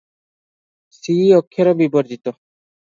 ସି-ଅକ୍ଷର ବିବର୍ଜିତ ।